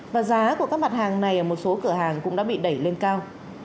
và giá của các mặt hàng này ở một số cửa hàng cũng đã bị đẩy lên cao